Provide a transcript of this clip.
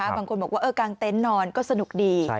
บางคนบอกว่ากางเต็นต์นอนก็สนุกดี